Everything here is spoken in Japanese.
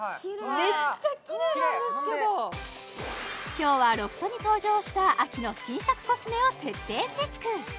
今日はロフトに登場した秋の新作コスメを徹底チェック